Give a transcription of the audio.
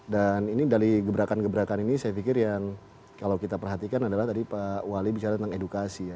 dan ini dari gebrakan gebrakan ini saya pikir yang kalau kita perhatikan adalah tadi pak wali bicara tentang edukasi ya